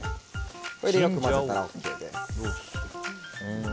これでよく混ぜたらＯＫです。